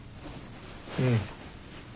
うん。